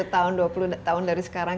tahun dua puluh tahun dari sekarang